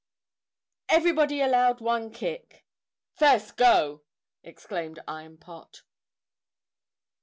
"Everybody allowed one kick!" "First go!" exclaimed Iron Pot.